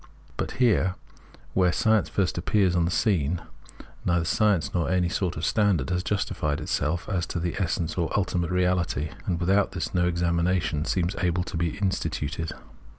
But, here, where science first appears on the scene, neither science nor any sort of standard has justified itself as the essence or ultimate reality ; and without this no examination seems able to be instituted.